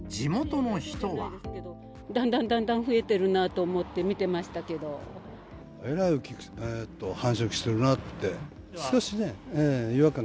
だんだんだんだん増えてるなえらい繁殖してるなって。